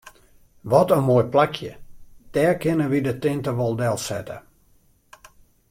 Wat in moai plakje, dêr kinne wy de tinte wol delsette.